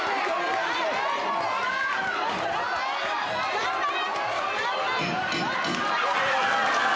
・・頑張れ！